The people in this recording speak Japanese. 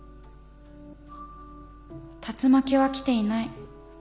竜巻は来ていない。